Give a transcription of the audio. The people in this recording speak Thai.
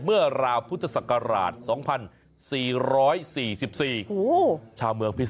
เมื่อราวพุทธศักราช๒๔๔๔